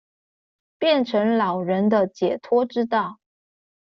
變成老人的解脫之道